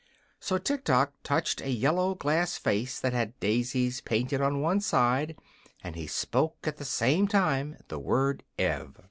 So Tiktok touched a yellow glass vase that had daisies painted on one side, and he spoke at the same time the word "Ev."